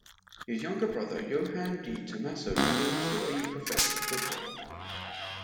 His younger brother Yohan Di Tommaso is also a professional footballer.